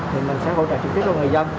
thì mình sẽ hỗ trợ trực tiếp cho người dân